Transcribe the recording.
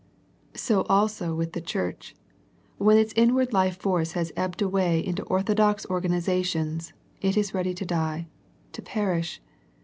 So also with the Church. When its inward life force has ebbed away into orthodox organ izations, it is ready to die, to perish.